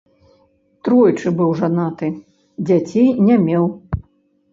Тройчы быў жанаты, дзяцей не меў.